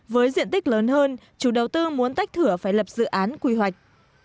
với diện tích lớn hơn chủ đầu tư muốn tách thửa phải lập dự án quy hoạch